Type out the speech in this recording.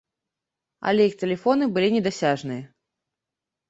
Але іх тэлефоны былі недасяжныя.